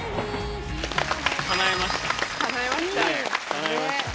かなえました。